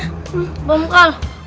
hmm belum kaluh